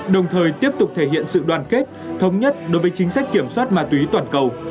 đồng thời tiếp tục thể hiện sự đoàn kết thống nhất đối với chính sách kiểm soát ma túy toàn cầu